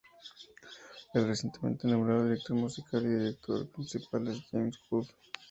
El recientemente nombrado director musical y director principal es James Judd.